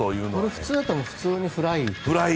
普通だったら普通のフライ？